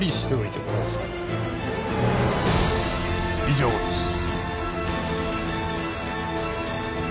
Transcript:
以上です。